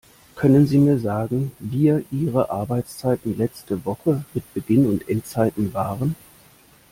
Können sie mir sagen, wir ihre Arbeitszeiten letzte Woche mit Beginn und Endzeiten waren?